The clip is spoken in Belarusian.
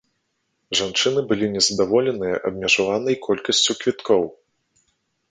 Жанчыны былі незадаволеныя абмежаванай колькасцю квіткоў.